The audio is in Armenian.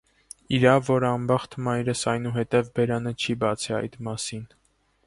իրավ որ անբախտ մայրս այնուհետև բերանը չի բացե այդ մասին.